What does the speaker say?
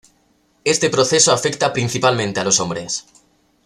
Este proceso afecta principalmente a los hombres.